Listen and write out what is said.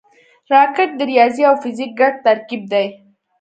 راکټ د ریاضي او فزیک ګډ ترکیب دی